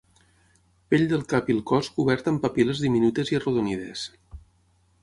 Pell del cap i el cos coberta amb papil·les diminutes i arrodonides.